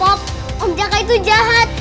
bagus tau om jaka itu jahat